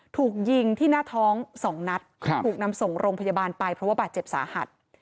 ถูกยิงที่หน้าท้อง๒นัดถูกนำส่งโรงพยาบาลไปเพราะว่าบาดเจ็บสาหัส